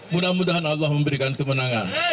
mudah mudahan allah memberikan kemenangan